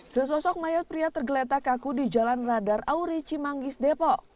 sesosok mayat pria tergeletak kaku di jalan radar auri cimanggis depok